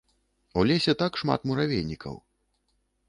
У лесе так шмат муравейнікаў.